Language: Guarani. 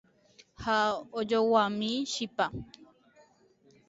ha ajoguámi chipa